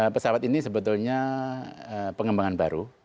pesawat ini sebetulnya pengembangan baru